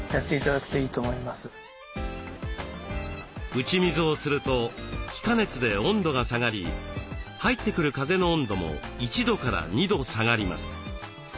打ち水をすると気化熱で温度が下がり入ってくる風の温度も１度から２度下がります。